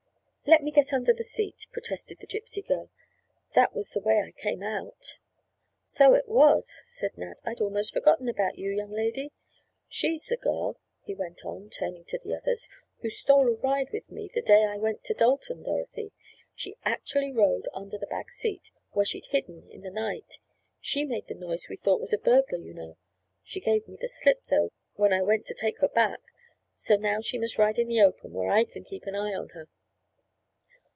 "Let me get under the seat," protested the Gypsy girl. "That was the way I came out." "So it was!" said Nat. "I'd almost forgotten about you, young lady. She's the girl," he went on, turning to the others, "who stole a ride with me the day I went into Dalton, Dorothy. She actually rode under the back seat where she'd hidden in the night. She made the noise we thought was a burglar, you know. She gave me the slip, though, when I went to take her back, so now she must ride in the open, where I can keep my eye on her."